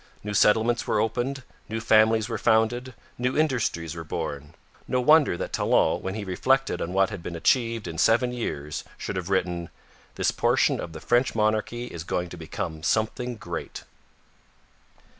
New settlements were opened, new families were founded, new industries were born. No wonder that Talon, when he reflected on what had been achieved in seven years, should have written: 'This portion of the French monarchy is going to become something great.'